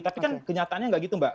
tapi kan kenyataannya tidak begitu mbak